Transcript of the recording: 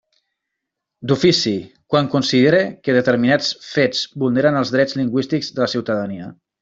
D'ofici, quan considere que determinats fets vulneren els drets lingüístics de la ciutadania.